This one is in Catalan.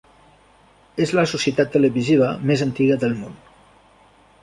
És la societat televisiva més antiga del món.